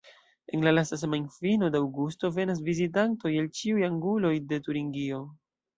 En la lasta semajnfino de aŭgusto venas vizitantoj el ĉiuj anguloj de Turingio.